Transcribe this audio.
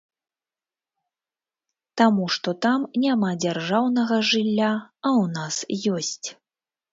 Таму што там няма дзяржаўнага жылля, а ў нас ёсць.